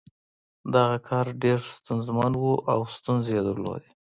دغه کار ډېر ستونزمن و او ستونزې یې درلودې